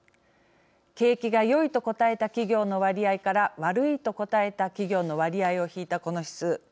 景気が良いと答えた企業の割合から悪いと答えた企業の割合を引いたこの指数。